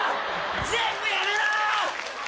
全部やめろ！